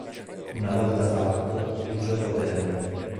Una volta fatto, il gioco termina.